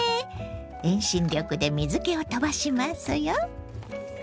遠心力で水けを飛ばしますよ。